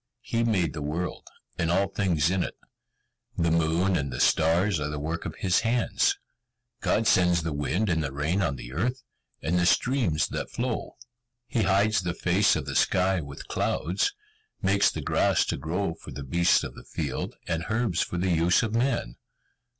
He made the world, and all things in it. The moon and the stars are the work of his hand. God sends the wind and the rain on the earth, and the streams that flow: He hides the face of the sky with clouds, makes the grass to grow for the beasts of the field, and herbs for the use of man.